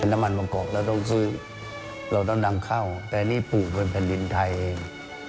น้ำมันมะกอกเราต้องซื้อเราต้องนำเข้าแต่นี่ปลูกบนแผ่นดินไทยเอง